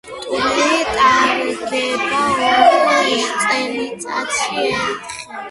ტურნირი ტარდება ორ წელიწადში ერთხელ.